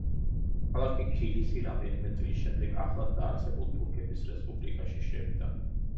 ქალაქი ქილისი რამდენიმე წლის შემდეგ ახლად დაარსებულ თურქეთის რესპუბლიკაში შევიდა.